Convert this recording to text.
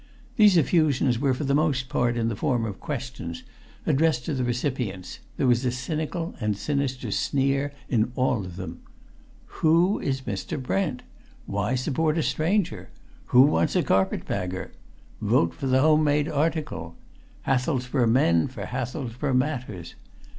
These effusions were for the most part in the form of questions, addressed to the recipients; there was a cynical and sinister sneer in all of them. "Who is Mr. Brent?" "Why Support a Stranger?" "Who Wants a Carpet Bagger?" "Vote for the Home Made Article." "Hathelsborough Men for Hathelsborough Matters."